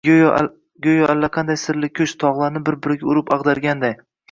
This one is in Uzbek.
Go`yo allaqanday sirli kuch, tog`larni bir-biriga urib ag`darganday